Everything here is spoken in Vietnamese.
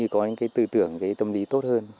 cái tư tưởng cái tâm lý tốt hơn